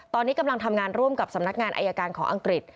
ตอนนี้กำลังทำงานร่วมกับสำนักงานอายการของอังกฤษ